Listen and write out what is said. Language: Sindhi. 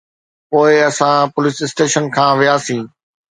پوءِ اسان پوليس اسٽيشن کان وياسين.